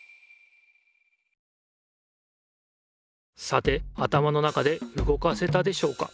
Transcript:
さて頭の中でうごかせたでしょうか？